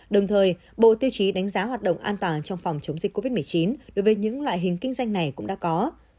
đồng thời bộ tiêu chí đánh giá hoạt động an toàn trong phòng chống dịch covid một mươi chín đối với những loại hình kinh doanh này cũng đã có